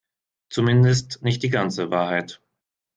Zumindest nicht die ganze Wahrheit.